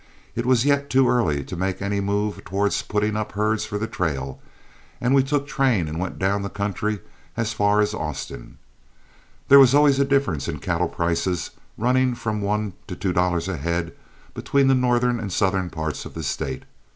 It was yet too early to make any move towards putting up herds for the trail, and we took train and went down the country as far as Austin. There was always a difference in cattle prices, running from one to two dollars a head, between the northern and southern parts of the State.